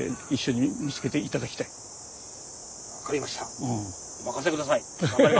わかりました。